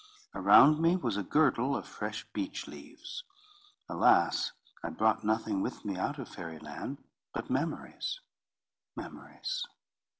Around me was a girdle of fresh beech leaves. Alas! I brought nothing with me out of Fairy Land, but memories—memories.